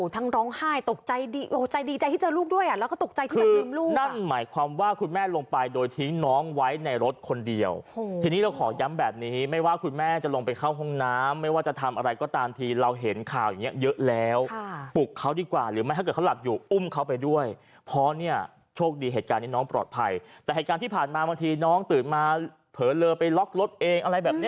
ไม่รู้ว่าตัวเองจะมาลืมลูกแบบนี้ครับคุณผู้ชม